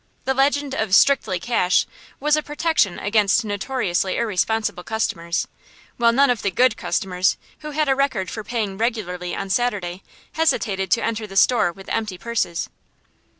The legend of "Strictly Cash" was a protection against notoriously irresponsible customers; while none of the "good" customers, who had a record for paying regularly on Saturday, hesitated to enter the store with empty purses.